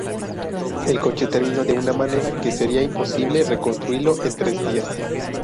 El coche terminó de una manera que sería imposible reconstruirlo en tres días.